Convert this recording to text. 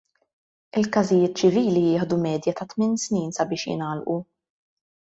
Il-każijiet ċivili jieħdu medja ta' tmien snin sabiex jingħalqu.